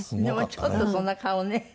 でもちょっとそんな顔ね。